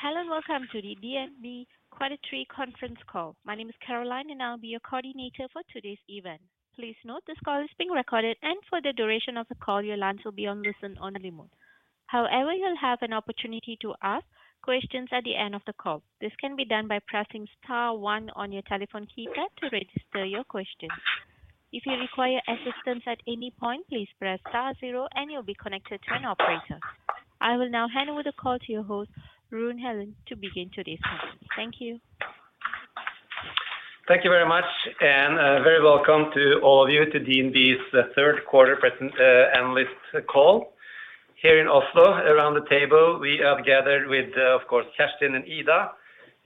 Hello, and welcome to the DNB Quarterly Conference Call. My name is Caroline, and I'll be your coordinator for today's event. Please note, this call is being recorded, and for the duration of the call, your lines will be on listen-only mode. However, you'll have an opportunity to ask questions at the end of the call. This can be done by pressing star one on your telephone keypad to register your question. If you require assistance at any point, please press star zero and you'll be connected to an operator. I will now hand over the call to your host, Rune Helland, to begin today's call. Thank you. Thank you very much, and very welcome to all of you to DNB's third quarter presentation, analyst call. Here in Oslo, around the table, we have gathered with, of course, Kjerstin and Ida.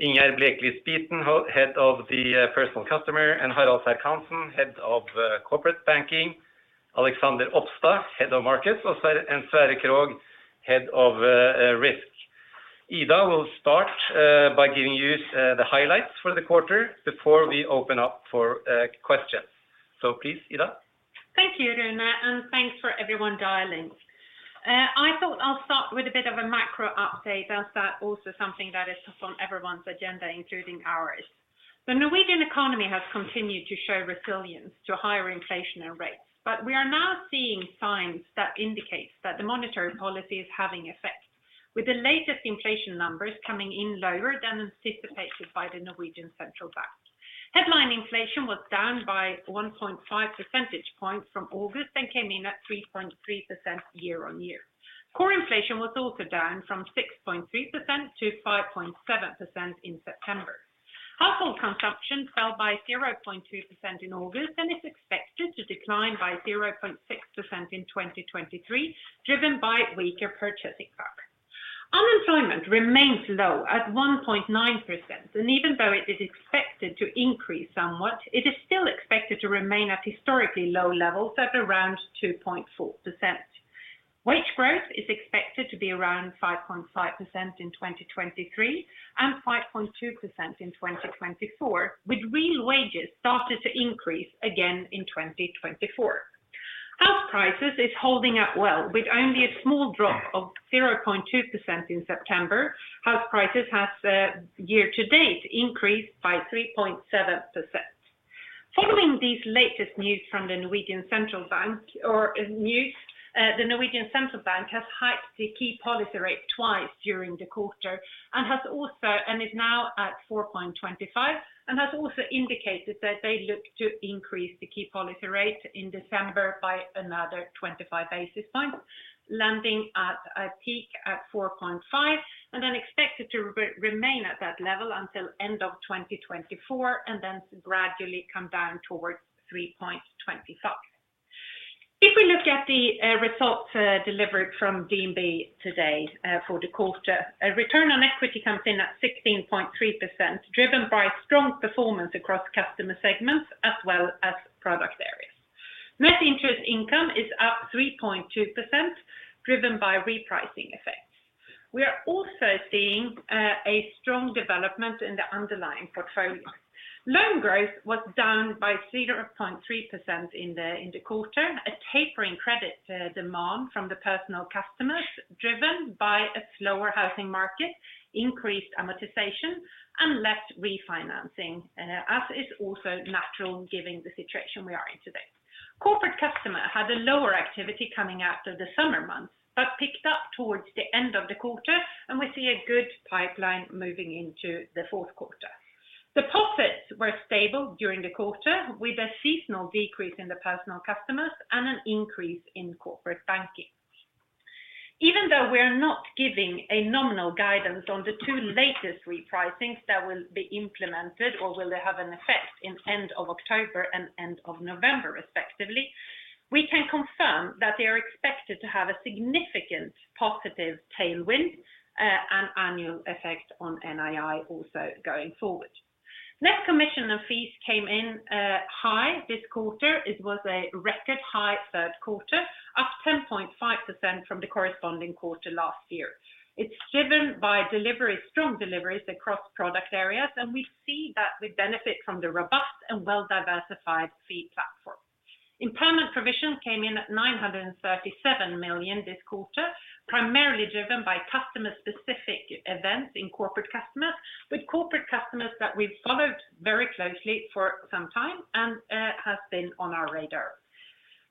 Ingjerd Blekeli Spiten, Head of Personal Banking, and Harald Serck-Hanssen, Head of Corporate Banking, Alexander Opstad, Head of Markets, and Sverre Krog, Head of Risk. Ida will start by giving you the highlights for the quarter before we open up for questions. So please, Ida. Thank you, Rune, and thanks for everyone dialing. I thought I'll start with a bit of a macro update, as that also something that is on everyone's agenda, including ours. The Norwegian economy has continued to show resilience to higher inflation and rates, but we are now seeing signs that indicate that the monetary policy is having effect, with the latest inflation numbers coming in lower than anticipated by the Norwegian Central Bank. Headline inflation was down by 1.5 percentage points from August and came in at 3.3% year-on-year. Core inflation was also down from 6.3% to 5.7% in September. Household consumption fell by 0.2% in August and is expected to decline by 0.6% in 2023, driven by weaker purchasing power. Unemployment remains low at 1.9%, and even though it is expected to increase somewhat, it is still expected to remain at historically low levels at around 2.4%. Wage growth is expected to be around 5.5% in 2023 and 5.2% in 2024, with real wages starting to increase again in 2024. House prices is holding up well, with only a small drop of 0.2% in September. House prices has year to date increased by 3.7%. Following these latest news from the Norwegian Central Bank. The Norwegian Central Bank has hiked the key policy rate twice during the quarter and and is now at 4.25, and has also indicated that they look to increase the key policy rate in December by another 25 basis points, landing at a peak at 4.5, and then expected to remain at that level until end of 2024, and then gradually come down towards 3.25. If we look at the results delivered from DNB today for the quarter, a return on equity comes in at 16.3%, driven by strong performance across customer segments as well as product areas. Net interest income is up 3.2%, driven by repricing effects. We are also seeing a strong development in the underlying portfolio. Loan growth was down by 0.3% in the, in the quarter, a tapering credit demand from the personal customers, driven by a slower housing market, increased amortization, and less refinancing, as is also natural given the situation we are in today. Corporate customer had a lower activity coming out of the summer months, but picked up towards the end of the quarter, and we see a good pipeline moving into the fourth quarter. The profits were stable during the quarter, with a seasonal decrease in the personal customers and an increase in corporate banking. Even though we're not giving a nominal guidance on the two latest repricings that will be implemented or will have an effect in end of October and end of November, respectively, we can confirm that they are expected to have a significant positive tailwind, and annual effect on NII also going forward. Net commissions and fees came in, high this quarter. It was a record high third quarter, up 10.5% from the corresponding quarter last year. It's driven by delivery, strong deliveries across product areas, and we see that we benefit from the robust and well-diversified fee platform. Impairment provision came in at 937 million this quarter, primarily driven by customer-specific events in corporate customers, with corporate customers that we've followed very closely for some time and, has been on our radar.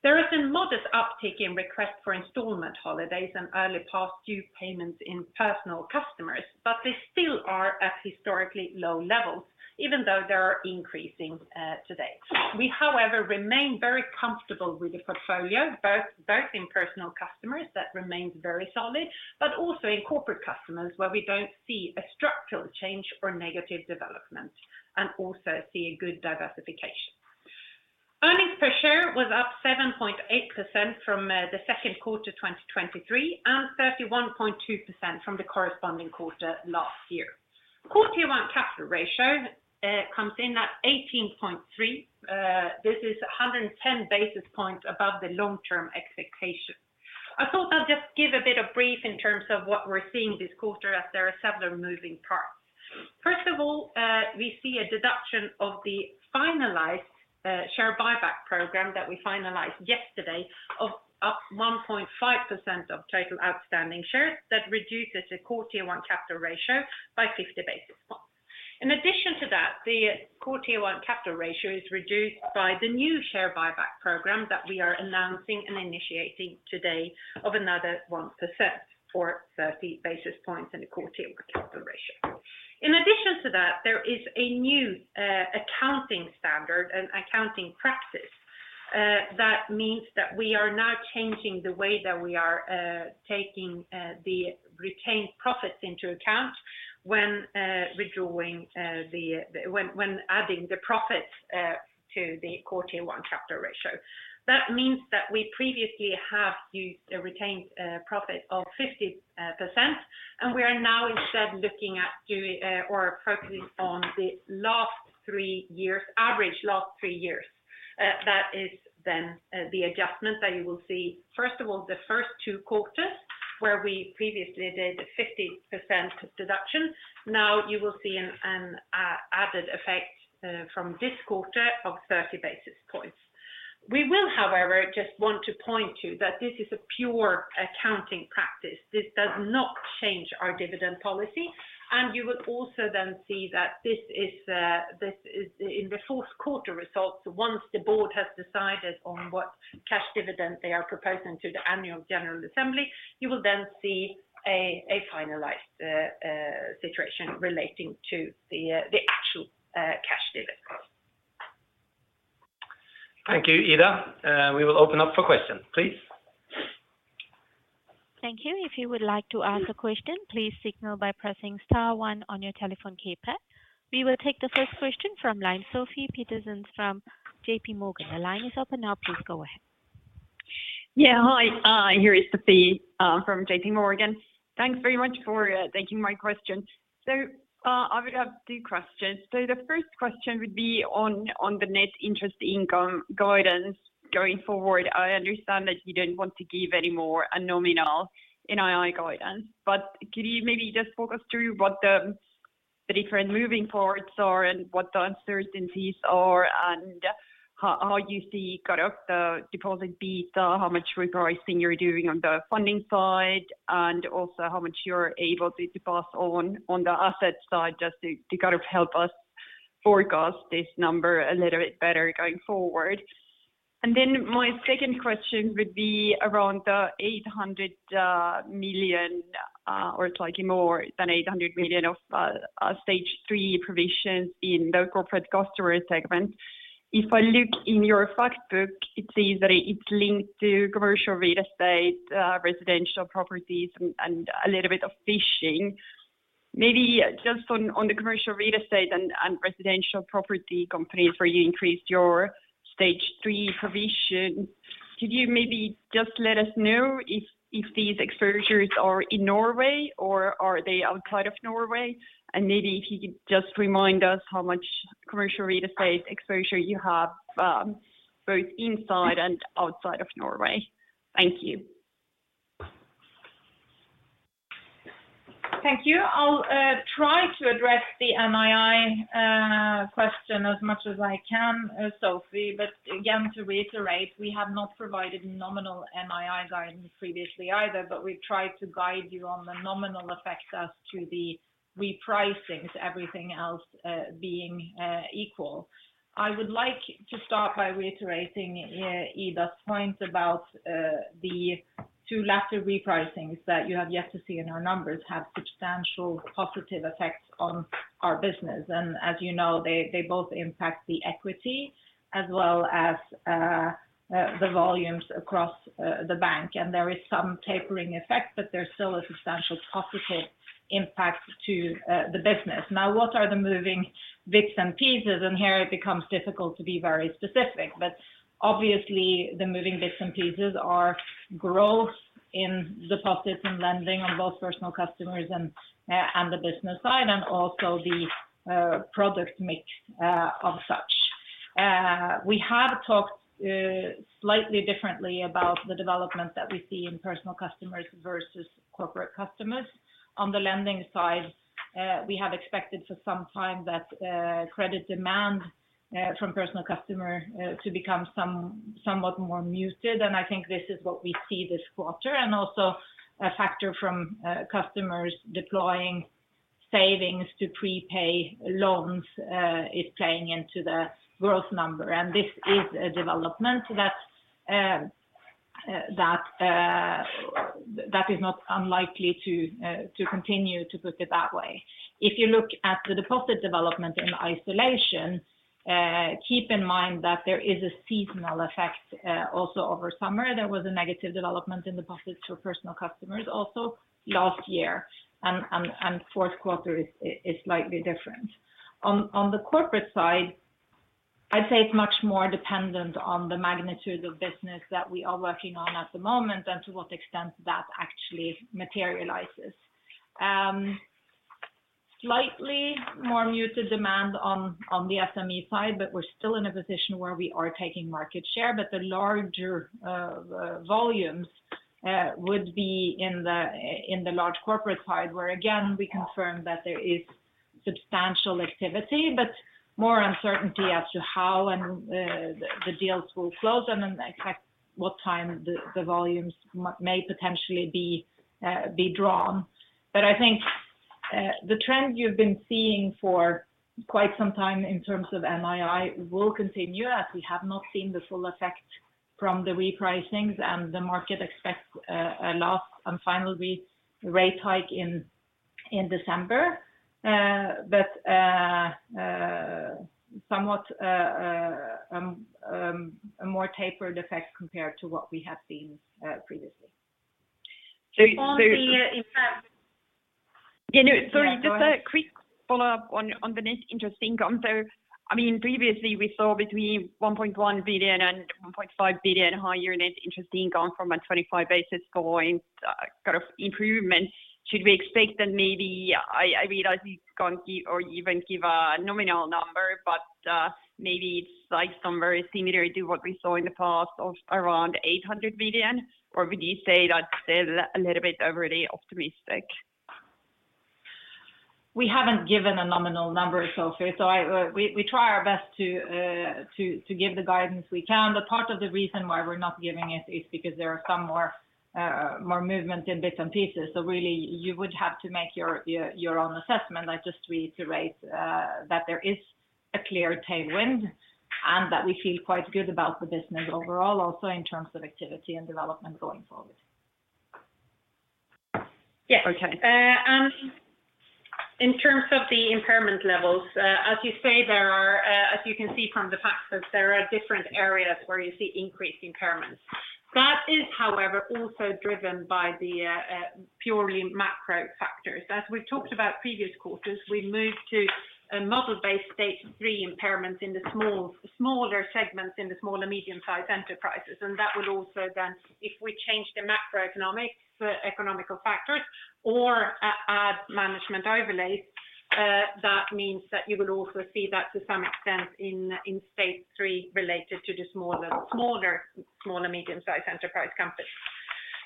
There has been modest uptick in request for installment holidays and early past due payments in personal customers, but they still are at historically low levels, even though they are increasing today. We, however, remain very comfortable with the portfolio, both, both in personal customers that remains very solid, but also in corporate customers, where we don't see a structural change or negative development, and also see a good diversification. Earnings per share was up 7.8% from the second quarter of 2023, and 31.2% from the corresponding quarter last year. Core Tier 1 capital ratio comes in at 18.3. This is 110 basis points above the long-term expectation. I thought I'll just give a bit of brief in terms of what we're seeing this quarter, as there are several moving parts. First of all we see a deduction of the finalized share buyback program that we finalized yesterday of up 1.5% of total outstanding shares. That reduces the Core Tier 1 capital ratio by 50 basis points. In addition to that, the Core Tier 1 capital ratio is reduced by the new share buyback program that we are announcing and initiating today of another 1%, or 30 basis points in the Core Tier 1 capital ratio. In addition to that, there is a new accounting standard and accounting practice that means that we are now changing the way that we are taking the retained profits into account when adding the profits to the Core Tier 1 capital ratio. That means that we previously have used a retained profit of 50%, and we are now instead looking at doing or focusing on the last three years average last three years. That is then the adjustment that you will see, first of all, the first two quarters, where we previously did a 50% deduction. Now you will see an added effect from this quarter of 30 basis points. We will, however, just want to point to you that this is a pure accounting practice. This does not change our dividend policy, and you will also then see that this is in the fourth quarter results. Once the board has decided on what cash dividend they are proposing to the annual general assembly, you will then see a finalized situation relating to the actual cash dividends. Thank you, Ida. We will open up for questions, please. Thank you. If you would like to ask a question, please signal by pressing star one on your telephone keypad. We will take the first question from line, Sofie Peterzens from JPMorgan. The line is open now. Please go ahead. Yeah. Hi, here is Sofie from JP Morgan. Thanks very much for taking my question. So, I would have two questions. So the first question would be on the net interest income guidance going forward. I understand that you don't want to give any more a nominal NII guidance, but could you maybe just walk us through what the different moving parts are, and what the uncertainties are, and how you see kind of the deposit beta, how much repricing you're doing on the funding side, and also how much you're able to pass on the asset side, just to kind of help us forecast this number a little bit better going forward. Then my second question would be around the 800 million or it's likely more than 800 million of stage three provisions in the corporate customer segment. If I look in your fact book, it says that it's linked to commercial real estate, residential properties and a little bit of fishing. Maybe just on the commercial real estate and residential property companies, where you increased your stage three provision, could you maybe just let us know if these exposures are in Norway, or are they outside of Norway? And maybe if you could just remind us how much commercial real estate exposure you have both inside and outside of Norway. Thank you. Thank you. I'll try to address the NII question as much as I can, Sofie, but again, to reiterate, we have not provided nominal NII guidance previously either, but we've tried to guide you on the nominal effects as to the repricing, to everything else being equal. I would like to start by reiterating Ida's point about the two latter repricings that you have yet to see in our numbers have substantial positive effects on our business. And as you know, they both impact the equity as well as the volumes across the bank. And there is some tapering effect, but there's still a substantial positive impact to the business. Now, what are the moving bits and pieces? Here it becomes difficult to be very specific, but obviously the moving bits and pieces are growth in deposits and lending on both personal customers and the business side, and also the product mix of such. We have talked slightly differently about the development that we see in personal customers versus corporate customers. On the lending side, we have expected for some time that credit demand from personal customer to become somewhat more muted, and I think this is what we see this quarter, and also a factor from customers deploying savings to prepay loans is playing into the growth number. This is a development that is not unlikely to continue, to put it that way. If you look at the deposit development in isolation, keep in mind that there is a seasonal effect, also over summer. There was a negative development in deposits for personal customers, also last year, and fourth quarter is slightly different. On the corporate side, I'd say it's much more dependent on the magnitude of business that we are working on at the moment and to what extent that actually materializes. Slightly more muted demand on the SME side, but we're still in a position where we are taking market share, but the larger volumes would be in the large corporates side, where, again, we confirm that there is substantial activity, but more uncertainty as to how and the deals will close and then exactly what time the volumes may potentially be drawn. But I think the trend you've been seeing for quite some time in terms of NII will continue, as we have not seen the full effect from the repricings, and the market expects a last and final rate hike in December. But somewhat a more tapered effect compared to what we have seen previously. On the impact... Yeah, no, sorry, just a quick follow-up on the net interest income. So, I mean, previously, we saw between 1.1 billion and 1.5 billion higher net interest income from a 25 basis points kind of improvement. Should we expect that maybe, I read as it's going to or even give a nominal number, but maybe it's like somewhere similar to what we saw in the past of around 800 million, or would you say that's a little bit overly optimistic? We haven't given a nominal number, Sofie. So I... We try our best to give the guidance we can, but part of the reason why we're not giving it is because there are some more movement in bits and pieces. So really, you would have to make your own assessment. I just reiterate that there is a clear tailwind and that we feel quite good about the business overall, also in terms of activity and development going forward. Yes. Okay. And in terms of the impairment levels, as you say, there are, as you can see from the facts, that there are different areas where you see increased impairments. That is, however, also driven by the purely macro factors. As we've talked about previous quarters, we moved to a model-based stage three impairments in the smaller segments in the small and medium-sized enterprises, and that would also then, if we change the macroeconomic, economical factors or add management overlays, that means that you will also see that to some extent in stage three related to the smaller small and medium-sized enterprise companies.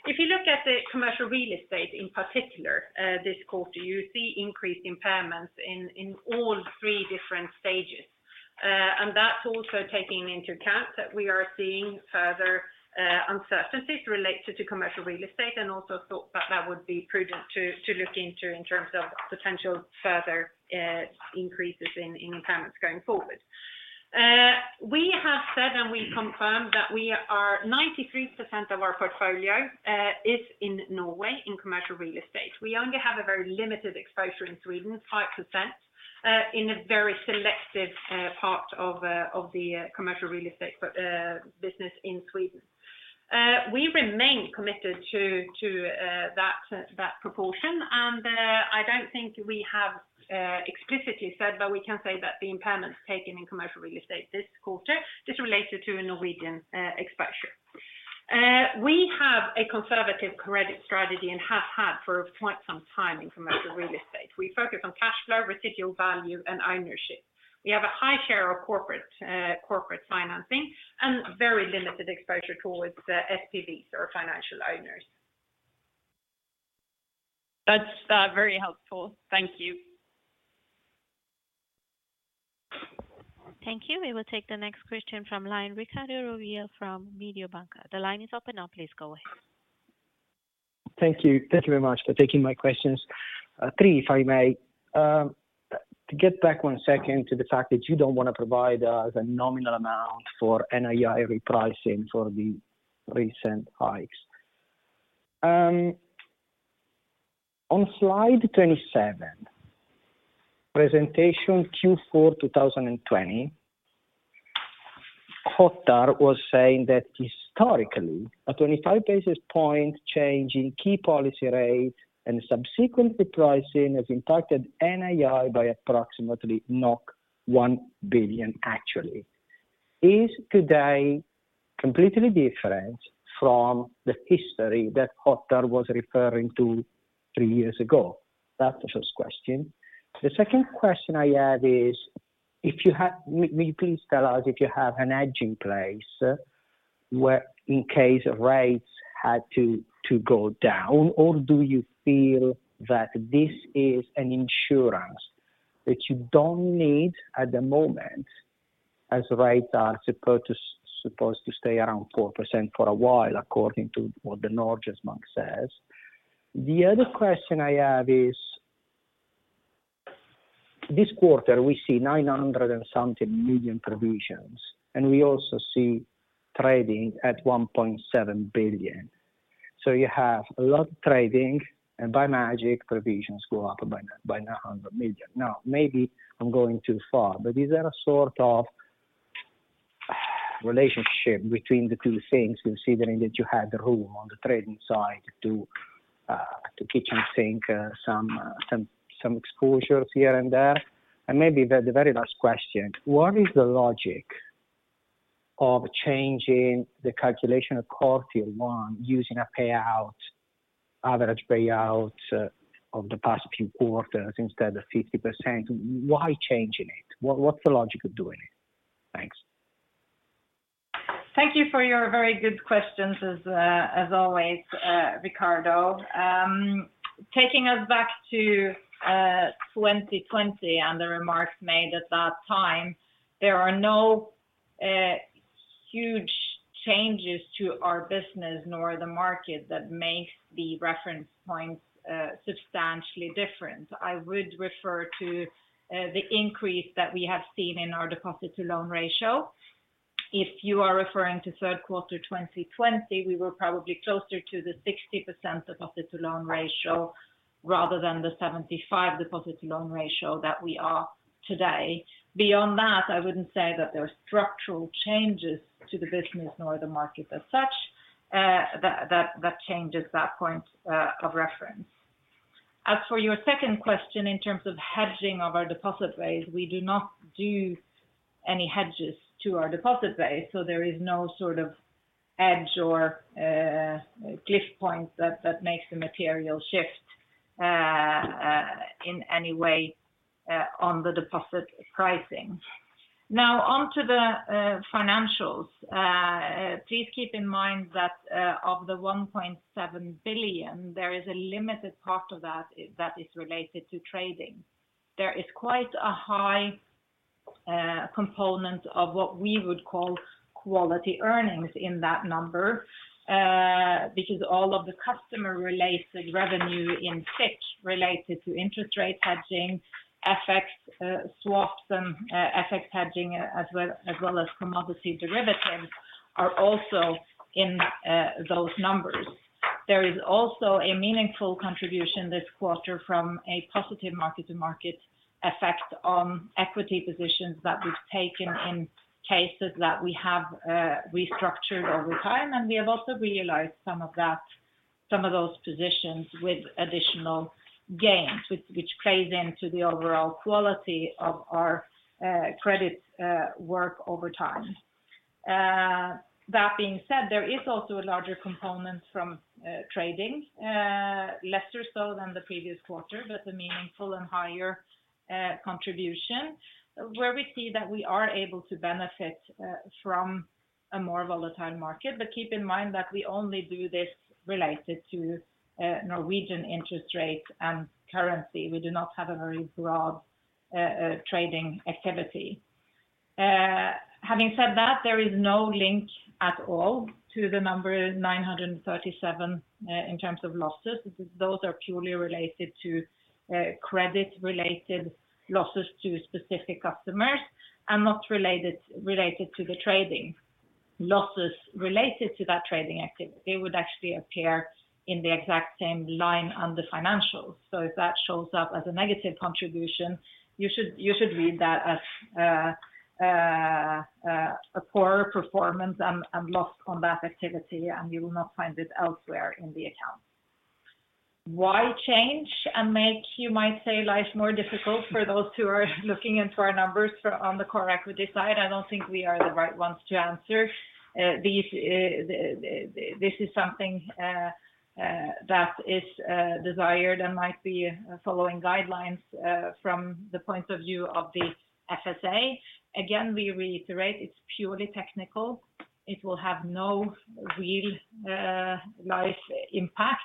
If you look at the commercial real estate, in particular, this quarter, you see increased impairments in all three different stages. And that's also taking into account that we are seeing further uncertainties related to commercial real estate, and also thought that that would be prudent to look into in terms of potential further increases in impairments going forward. We have said, and we confirm, that we are 93% of our portfolio is in Norway, in commercial real estate. We only have a very limited exposure in Sweden, 5%, in a very selective part of the commercial real estate business in Sweden. We remain committed to that proportion, and I don't think we have explicitly said, but we can say that the impairments taken in commercial real estate this quarter is related to a Norwegian exposure. We have a conservative credit strategy and have had for quite some time in commercial real estate. We focus on cash flow, residual value, and ownership. We have a high share of corporate, corporate financing and very limited exposure towards SPVs or financial owners. That's very helpful. Thank you. Thank you. We will take the next question from line, Riccardo Rovere from Mediobanca. The line is open now. Please go ahead. Thank you. Thank you very much for taking my questions. Three, if I may. To get back one second to the fact that you don't want to provide the nominal amount for NII repricing for the recent hikes. On slide 27, presentation Q4 2020, Ottar was saying that historically, a 25 basis point change in key policy rate and subsequent repricing has impacted NII by approximately 1 billion, actually. Is today completely different from the history that Ottar was referring to three years ago? That's the first question. The second question I have is, may you please tell us if you have a hedge in place, where in case rates had to go down, or do you feel that this is an insurance that you don't need at the moment, as rates are supposed to stay around 4% for a while, according to what the Norges Bank says? The other question I have is, this quarter, we see 900-something million provisions, and we also see trading at 1.7 billion. So you have a lot of trading, and by magic, provisions go up by 900 million. Now, maybe I'm going too far, but is there a sort of relationship between the two things, considering that you had the room on the trading side to kitchen sink some exposures here and there? Maybe the very last question: What is the logic of changing the calculation of Core Tier 1 using an average payout of the past few quarters instead of 50%? Why changing it? What's the logic of doing it? Thanks. Thank you for your very good questions as always, Ricardo. Taking us back to 2020 and the remarks made at that time, there are no huge changes to our business nor the market that makes the reference points substantially different. I would refer to the increase that we have seen in our deposit to loan ratio. If you are referring to third quarter 2020, we were probably closer to the 60% deposit to loan ratio rather than the 75% deposit to loan ratio that we are today. Beyond that, I wouldn't say that there are structural changes to the business nor the market as such, that changes that point of reference. As for your second question, in terms of hedging of our deposit base, we do not do any hedges to our deposit base, so there is no sort of hedge or cliff point that makes a material shift in any way on the deposit pricing. Now, on to the financials. Please keep in mind that of the 1.7 billion, there is a limited part of that that is related to trading. There is quite a high component of what we would call quality earnings in that number because all of the customer related revenue in FICC related to interest rate hedging, FX swaps, and FX hedging, as well as commodity derivatives are also in those numbers. There is also a meaningful contribution this quarter from a positive mark-to-market effect on equity positions that we've taken in cases that we have restructured over time, and we have also realized some of those positions with additional gains, which plays into the overall quality of our credit work over time. That being said, there is also a larger component from trading, lesser so than the previous quarter, but a meaningful and higher contribution where we see that we are able to benefit from a more volatile market. But keep in mind that we only do this related to Norwegian interest rates and currency. We do not have a very broad trading activity. Having said that, there is no link at all to the number 937 in terms of losses. Those are purely related to credit-related losses to specific customers and not related to the trading. Losses related to that trading activity would actually appear in the exact same line on the financials. So if that shows up as a negative contribution, you should read that as a poor performance and loss on that activity, and you will not find it elsewhere in the account. Why change and make, you might say, life more difficult for those who are looking into our numbers on the core equity side? I don't think we are the right ones to answer. This is something that is desired and might be following guidelines from the point of view of the FSA. Again, we reiterate it's purely technical. It will have no real, life impact,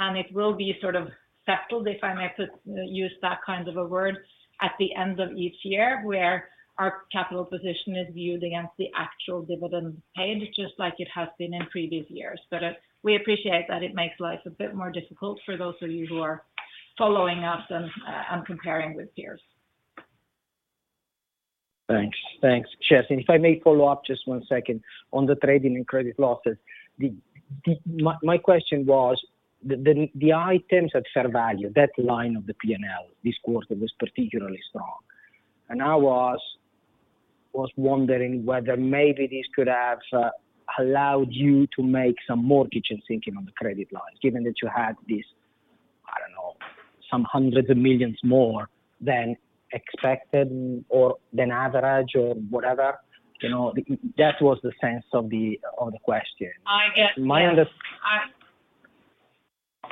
and it will be sort of settled, if I may put, use that kind of a word, at the end of each year, where our capital position is viewed against the actual dividend paid, just like it has been in previous years. But, we appreciate that it makes life a bit more difficult for those of you who are following us and, and comparing with peers. Thanks. Thanks, Kjerstin. And if I may follow up just one second on the trading and credit losses. The... My question was, the items at fair value, that line of the P&L, this quarter was particularly strong, and I was wondering whether maybe this could have allowed you to make some more kitchen sinking on the credit line, given that you had this, I don't know, some hundreds of millions more than expected or than average or whatever, you know? That was the sense of the question.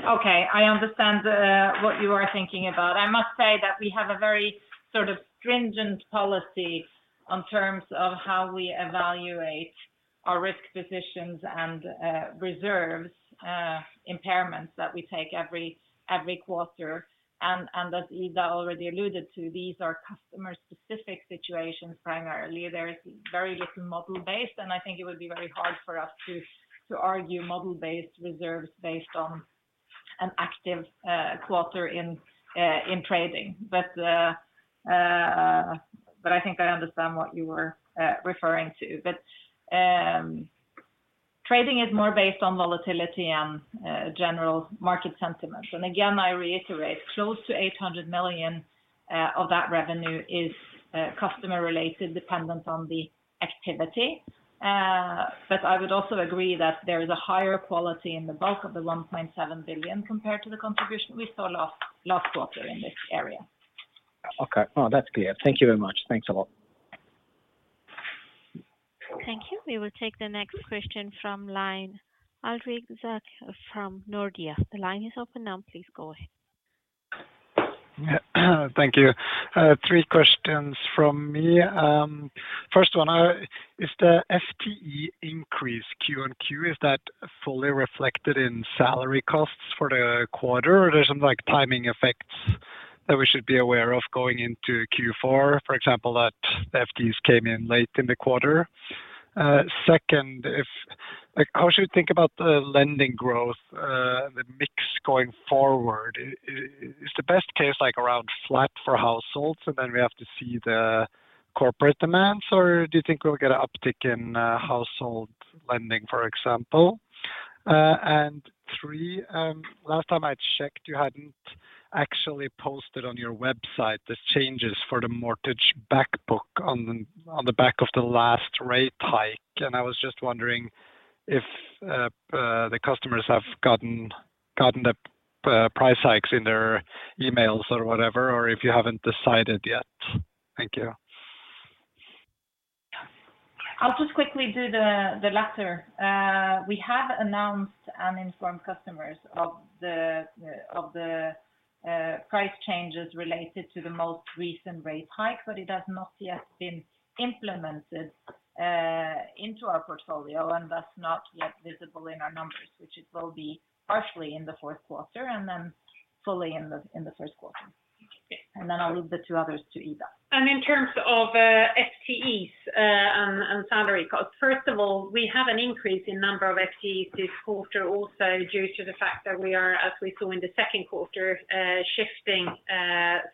Okay, I understand what you are thinking about. I must say that we have a very sort of stringent policy in terms of how we evaluate our risk positions and reserves, impairments that we take every quarter. And as Ida already alluded to, these are customer-specific situations. Primarily, there is very little model-based, and I think it would be very hard for us to argue model-based reserves based on an active quarter in trading. But I think I understand what you were referring to. But trading is more based on volatility and general market sentiment. And again, I reiterate, close to 800 million of that revenue is customer-related, dependent on the activity. But I would also agree that there is a higher quality in the bulk of the 1.7 billion compared to the contribution we saw last, last quarter in this area. Okay. No, that's clear. Thank you very much. Thanks a lot. Thank you. We will take the next question from line, Ulrik Zurcher from Nordea. The line is open now. Please go ahead. Yeah. Thank you. Three questions from me. First one, is the FTE increase Q-on-Q fully reflected in salary costs for the quarter? Or is there some, like, timing effects that we should be aware of going into Q4, for example, that FTEs came in late in the quarter? Second, like, how should we think about the lending growth, the mix going forward? Is the best case, like, around flat for households, and then we have to see the corporate demands? Or do you think we'll get an uptick in household lending, for example? And three, last time I checked, you hadn't actually posted on your website the changes for the mortgage-backed book on the back of the last rate hike. I was just wondering if the customers have gotten the price hikes in their emails or whatever, or if you haven't decided yet? Thank you. I'll just quickly do the latter. We have announced and informed customers of the price changes related to the most recent rate hike, but it has not yet been implemented into our portfolio and thus not yet visible in our numbers, which it will be partially in the fourth quarter and then fully in the first quarter. And then I'll leave the two others to Ida. In terms of FTEs and salary costs, first of all, we have an increase in number of FTEs this quarter, also due to the fact that we are, as we saw in the second quarter, shifting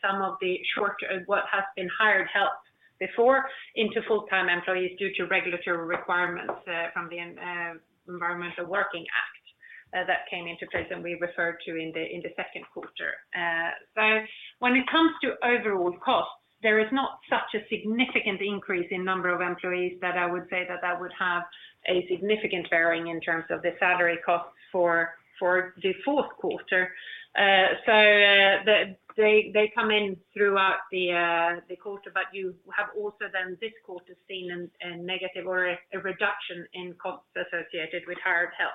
some of the short what has been hired help before into full-time employees due to regulatory requirements from the Working Environment Act that came into place, and we referred to in the second quarter. So when it comes to overall costs, there is not such a significant increase in number of employees that I would say that that would have a significant bearing in terms of the salary costs for the fourth quarter. So, they come in throughout the quarter, but you have also then this quarter seen a negative or a reduction in costs associated with hired help,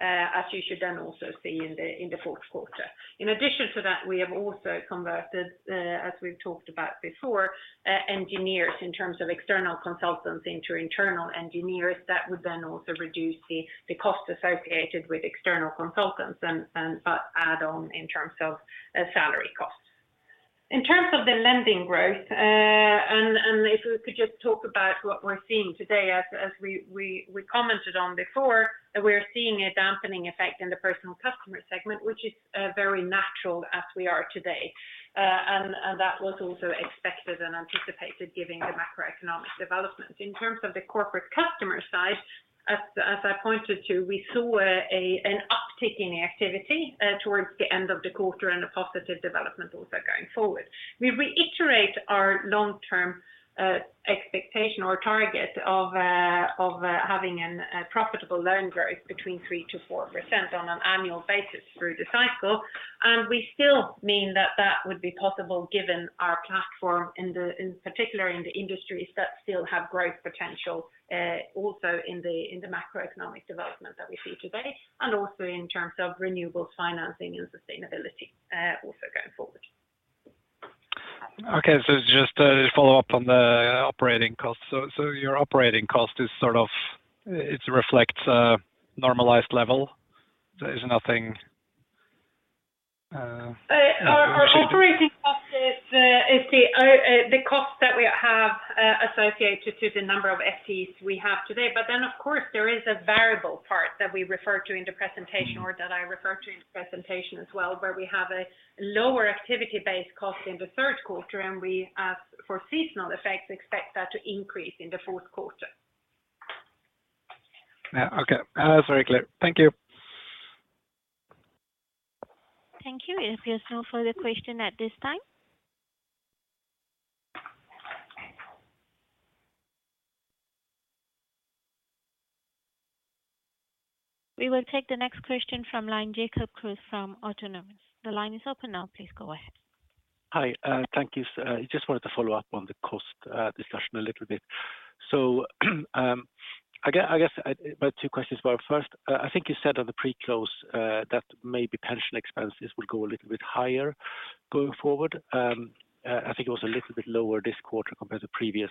as you should then also see in the fourth quarter. In addition to that, we have also converted, as we've talked about before, engineers, in terms of external consultants into internal engineers, that would then also reduce the cost associated with external consultants and add on in terms of salary costs. In terms of the lending growth, and if we could just talk about what we're seeing today, as we commented on before, that we're seeing a dampening effect in the personal customer segment, which is very natural as we are today. That was also expected and anticipated, given the macroeconomic developments. In terms of the corporate customer side, as I pointed to, we saw an uptick in the activity towards the end of the quarter and a positive development also going forward. We reiterate our long-term expectation or target of having a profitable loan growth between 3%-4% on an annual basis through the cycle. We still mean that that would be possible given our platform in particular in the industries that still have growth potential also in the macroeconomic development that we see today, and also in terms of renewable financing and sustainability also going forward. Okay, so just a follow-up on the operating costs. So, your operating cost is sort of... It reflects a normalized level? There is nothing... Our operating cost is the cost that we have associated to the number of FTEs we have today. But then, of course, there is a variable part that we referred to in the presentation or that I referred to in the presentation as well, where we have a lower activity-based cost in the third quarter, and we, as for seasonal effects, expect that to increase in the fourth quarter. Yeah, okay. That's very clear. Thank you. Thank you. If there's no further question at this time. We will take the next question from line, Jacob Kruse from Autonomous. The line is open now. Please go ahead. Hi, thank you. Just wanted to follow up on the cost discussion a little bit. So, I guess about two questions. Well, first, I think you said on the pre-close that maybe pension expenses would go a little bit higher going forward. I think it was a little bit lower this quarter compared to previous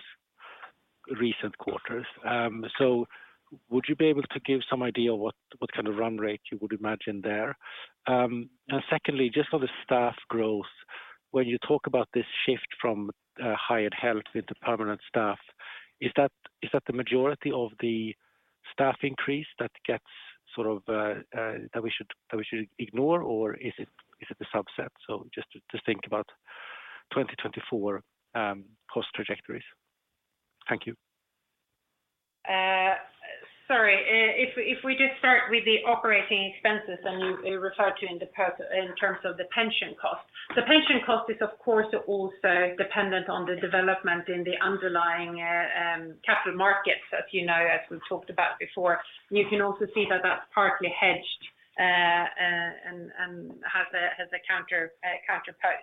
recent quarters. So would you be able to give some idea what kind of run rate you would imagine there? And secondly, just on the staff growth, when you talk about this shift from hired help into permanent staff, is that the majority of the staff increase that we should ignore or is it a subset? So just to think about 2024 cost trajectories. Thank you. Sorry, if we just start with the operating expenses, and you referred to in terms of the pension cost. The pension cost is, of course, also dependent on the development in the underlying capital markets, as you know, as we've talked about before. You can also see that that's partly hedged, and has a counter part.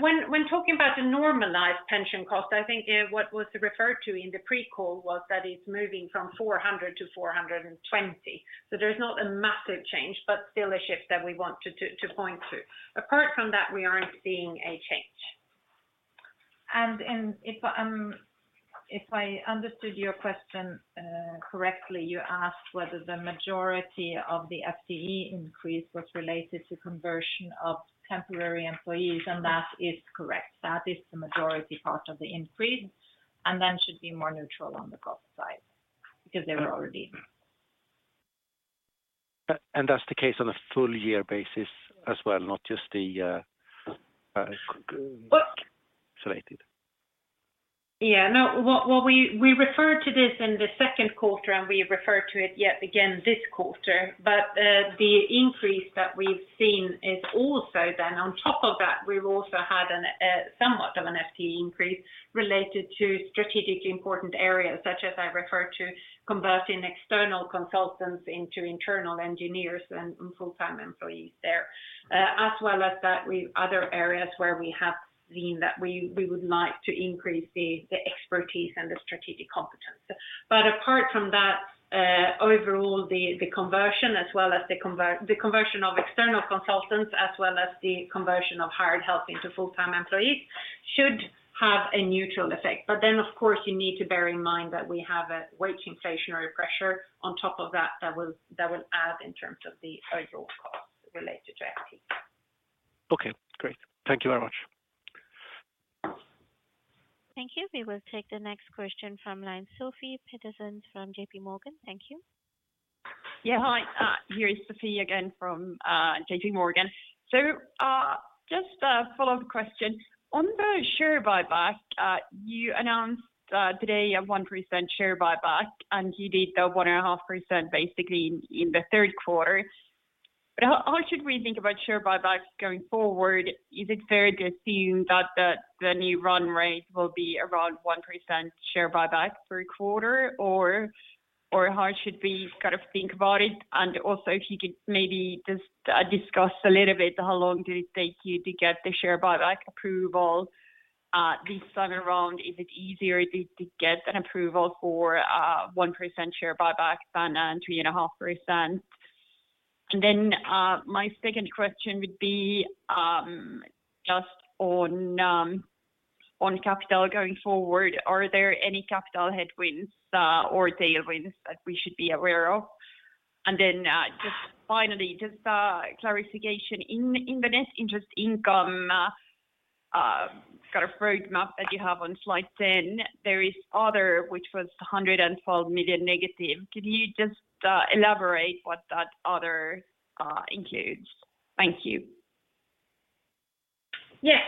When talking about the normalized pension cost, I think what was referred to in the pre-call was that it's moving from 400 to 420. So there's not a massive change, but still a shift that we want to point to. Apart from that, we aren't seeing a change. If I understood your question correctly, you asked whether the majority of the FTE increase was related to conversion of temporary employees, and that is correct. That is the majority part of the increase, and then should be more neutral on the cost side because they were already. And that's the case on a full year basis as well, not just the isolated? Yeah. No, well, well, we, we referred to this in the second quarter, and we referred to it yet again this quarter, but the increase that we've seen is also then on top of that, we've also had an somewhat of an FTE increase related to strategically important areas, such as I referred to converting external consultants into internal engineers and, and full-time employees there. As well as that, we've other areas where we have seen that we, we would like to increase the, the expertise and the strategic competence. But apart from that, overall, the, the conversion, as well as the conversion of external consultants, as well as the conversion of hired help into full-time employees, should have a neutral effect. But then, of course, you need to bear in mind that we have a wage inflationary pressure on top of that, that will add in terms of the overall cost related to FTE. Okay, great. Thank you very much. Thank you. We will take the next question from line. Sofie Peterzens from JPMorgan. Thank you. Yeah, hi. Here is Sofie again from JPMorgan. So, just a follow-up question. On the share buyback, you announced today a 1% share buyback, and you did the 1.5% basically in the third quarter. But how should we think about share buybacks going forward? Is it fair to assume that the new run rate will be around 1% share buyback per quarter, or how should we kind of think about it? And also, if you could maybe just discuss a little bit, how long did it take you to get the share buyback approval this time around? Is it easier to get an approval for 1% share buyback than 3.5%? And then, my second question would be, just on capital going forward. Are there any capital headwinds or tailwinds that we should be aware of? And then, just finally, clarification. In the net interest income road map that you have on slide 10, there is other, which was -112 million. Could you just elaborate what that other includes? Thank you. Yes.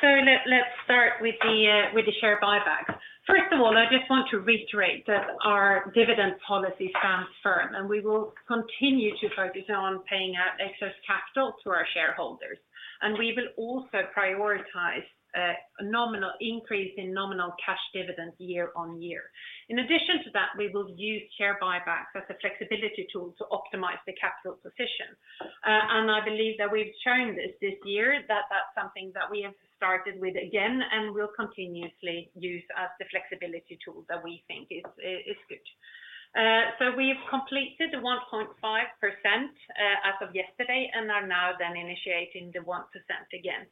So let's start with the share buyback. First of all, I just want to reiterate that our dividend policy stands firm, and we will continue to focus on paying out excess capital to our shareholders. And we will also prioritize a nominal increase in nominal cash dividends year on year. In addition to that, we will use share buybacks as a flexibility tool to optimize the capital position. And I believe that we've shown this this year, that that's something that we have started with again and will continuously use as the flexibility tool that we think is good. So we've completed the 1.5%, as of yesterday, and are now then initiating the 1% again.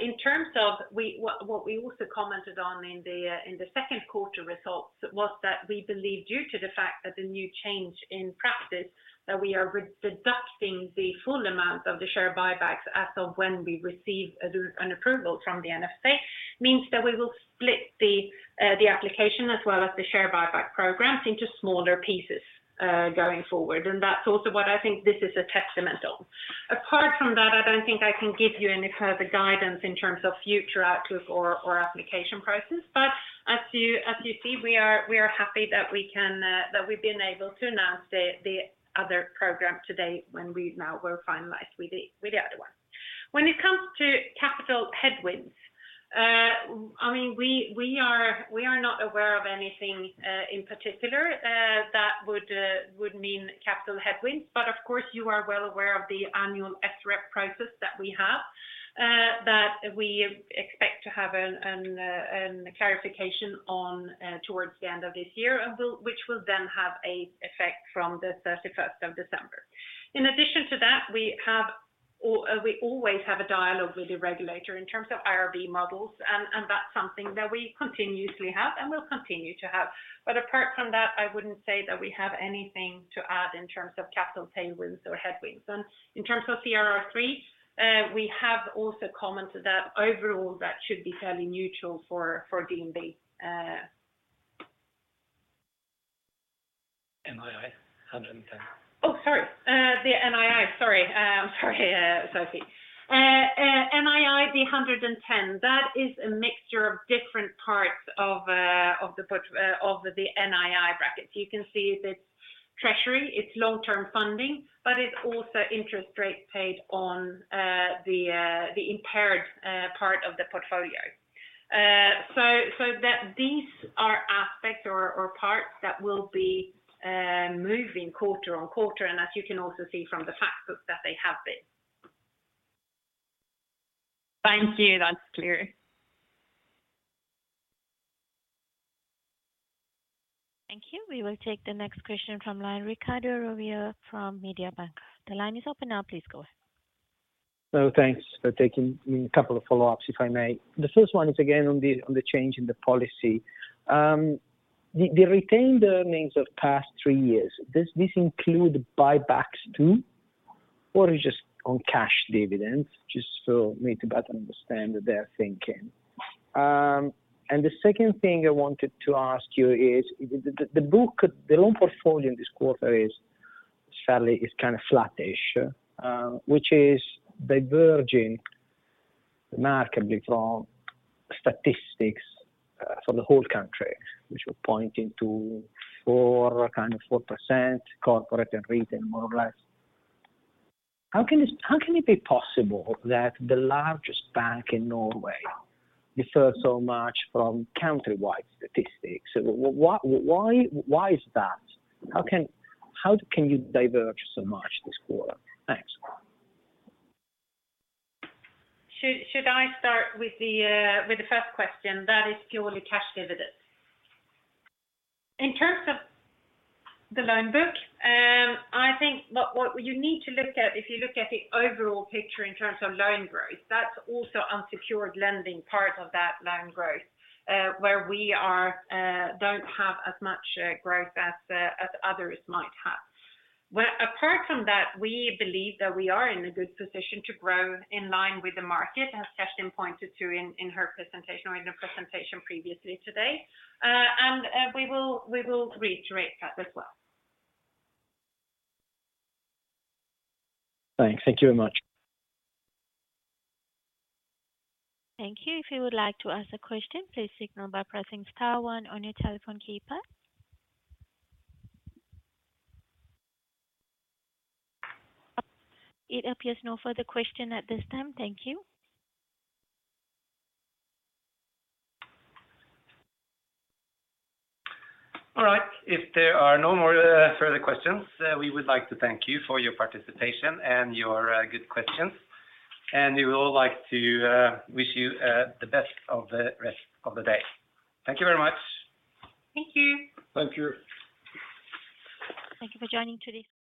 In terms of what we also commented on in the second quarter results was that we believe, due to the fact that the new change in practice, that we are re-deducting the full amount of the share buybacks as of when we receive an approval from the FSA, means that we will split the application as well as the share buyback program into smaller pieces going forward. That's also what I think this is a testament on. Apart from that, I don't think I can give you any further guidance in terms of future outlook or application process. But as you see, we are happy that we can that we've been able to announce the other program today when we now were finalized with the other one. When it comes to capital headwinds, I mean, we are not aware of anything in particular that would mean capital headwinds. But of course, you are well aware of the annual SREP process that we have that we expect to have a clarification on towards the end of this year, and which will then have an effect from the thirty-first of December. In addition to that, we have, or we always have a dialogue with the regulator in terms of IRB models, and that's something that we continuously have and will continue to have. But apart from that, I wouldn't say that we have anything to add in terms of capital tailwinds or headwinds. And in terms of CRR3, we have also commented that overall, that should be fairly neutral for DNB. NII, 110. Oh, sorry. The NII. Sorry, I'm sorry, Sofie. NII, the 110, that is a mixture of different parts of the NII bracket. You can see it's treasury, it's long-term funding, but it's also interest rates paid on the impaired part of the portfolio. So that these are aspects or parts that will be moving quarter-over-quarter, and as you can also see from the fact books that they have been. Thank you. That's clear. Thank you. We will take the next question from line, Riccardo Rovere from Mediobanca. The line is open now, please go ahead. So thanks for taking a couple of follow-ups, if I may. The first one is again on the change in the policy. The retained earnings of past three years, does this include buybacks, too? Or is just on cash dividends, just so I can better understand their thinking. And the second thing I wanted to ask you is, the loan book, the loan portfolio in this quarter is kinda flatish, which is diverging remarkably from statistics for the whole country, which were pointing to 4%, kind of 4% corporate and retail, more or less. How can it be possible that the largest bank in Norway differs so much from countrywide statistics? Why is that? How can you diverge so much this quarter? Thanks. Should I start with the first question? That is purely cash dividends. In terms of the loan book, I think what you need to look at, if you look at the overall picture in terms of loan growth, that's also unsecured lending, part of that loan growth, where we are don't have as much growth as others might have. Well, apart from that, we believe that we are in a good position to grow in line with the market, as Kjerstin pointed to in her presentation or in the presentation previously today. And we will reiterate that as well. Thanks. Thank you very much. Thank you. If you would like to ask a question, please signal by pressing star one on your telephone keypad. It appears no further question at this time. Thank you. All right. If there are no more further questions, we would like to thank you for your participation and your good questions. We would all like to wish you the best of the rest of the day. Thank you very much. Thank you. Thank you. Thank you for joining today's-